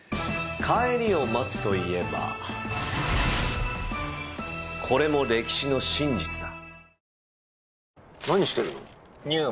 帰りを待つといえばこれも歴史の真実だ。